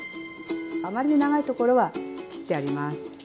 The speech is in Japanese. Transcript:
あまり長いところは切ってあります。